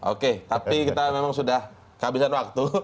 oke tapi kita memang sudah kehabisan waktu